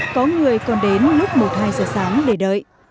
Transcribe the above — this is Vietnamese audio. có người còn đến lúc một hai giờ sáng để đợi